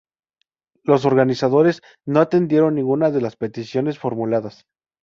Los organizadores no atendieron ninguna de las peticiones formuladas.